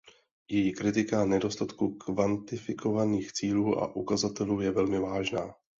Její kritika nedostatku kvantifikovaných cílů a ukazatelů je velmi vážná.